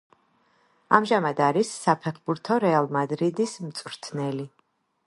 ამჟამად არის საფეხბურთო „რეალ მადრიდის“ მწვრთნელი.